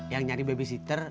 yang nyari babysitter